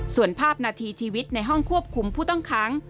ส่วนภาพนาทีชีวิตในห้องควบคุมผู้ต้องขัง